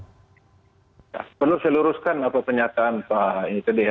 sebenarnya saya luruskan apa penyataan pak ini tadi ya